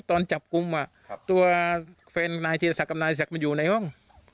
ตอนจับกลุ่มตัวแฟนนายธีรศักดิ์กับนายศักดิ์มันอยู่ในห้อง